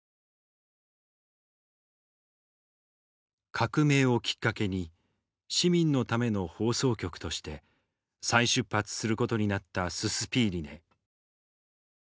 革命をきっかけに市民のための放送局として再出発することになったススピーリネ。